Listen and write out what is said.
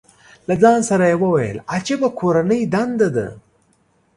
له ځان سره یې وویل، عجیبه کورنۍ دنده ده.